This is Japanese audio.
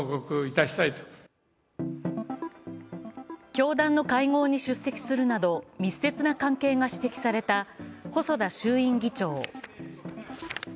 教団の会合に出席するなど密接な関係が指摘された細田衆院議長。